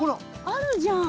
あるじゃん。